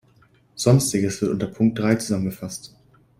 Sonstiges wird unter Punkt drei zusammengefasst.